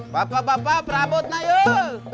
bapak bapak perabot na yuk